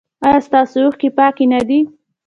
ایا ستاسو اوښکې پاکې نه دي؟